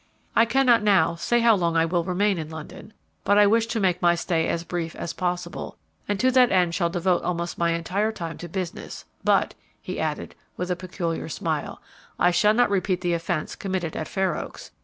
I cannot now say how long I will remain in London, but I wish to make my stay as brief as possible, and to that end shall devote almost my entire time to business; but," he added, with a peculiar smile, "I shall not repeat the offence committed at Fair Oaks.